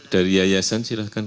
dari yayasan silakan